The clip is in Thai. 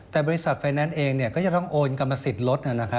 แต่บริษัทไฟแนนซ์เองก็จะต้องโอนกรรมสิทธิ์ลด